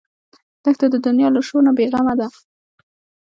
دښته د دنیا له شور نه بېغمه ده.